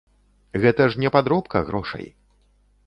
Гэта ж не падробка грошай.